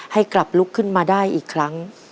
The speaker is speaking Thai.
ให้กลับลุกขึ้นมาได้อีกครั้ง